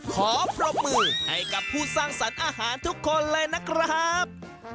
ขอปรบมือให้กับผู้สร้างสรรค์อาหารทุกคนเลยนะครับ